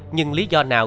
nhưng lý do nào